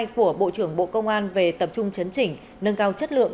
của bộ trưởng bộ công an về tập trung chấn chỉnh nâng cao chất lượng